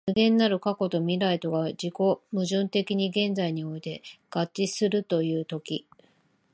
無限なる過去と未来とが自己矛盾的に現在において合一するという時、